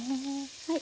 はい。